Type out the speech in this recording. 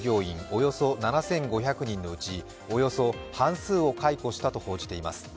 およそ７５００人のうちおよそ半数を解雇したと報じています。